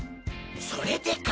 それでか。